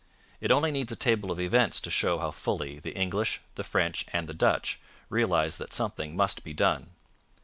It only needs a table of events to show how fully the English, the French, and the Dutch realized that something must be done.